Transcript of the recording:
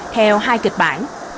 theo hai kịch bản